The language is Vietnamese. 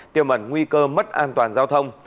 tiêu mẩn nguy cơ mất an toàn giao thông